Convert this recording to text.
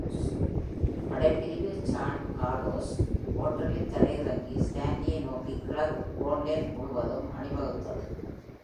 படைப்பிரிவு San Carlos வாட்டரில் தரையிறங்கி, ஸ்டான்லியை நோக்கி கிழக்கு ஃபால்க்லேண்ட் முழுவதும் அணிவகுத்தது.